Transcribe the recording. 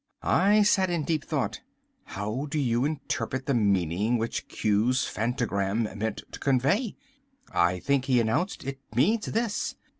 I sat in deep thought. "How do you interpret the meaning which Q's phanogram meant to convey?" "I think," he announced, "it means this.